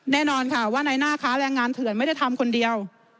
แน่นอนค่ะว่าในหน้าค้าแรงงานเถื่อนไม่ได้ทำคนเดียว